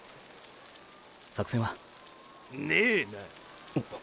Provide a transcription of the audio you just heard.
作戦は？ねえな。